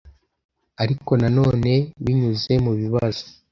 ariko nanone binyuze mubibazo